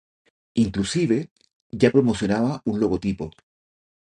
Inclusive, ya promociona un logotipo.